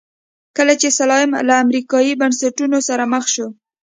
کله چې سلایم له امریکایي بنسټونو سره مخ شو.